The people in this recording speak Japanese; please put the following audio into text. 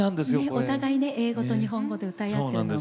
お互い、英語と日本語で歌い合って。